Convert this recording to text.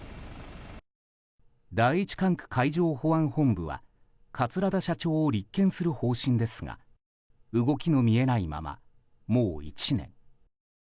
第１管区海上保安本部は桂田社長を立件する方針ですが動きの見えないまま、もう１年。